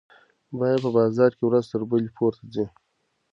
بیې په بازار کې ورځ تر بلې پورته ځي.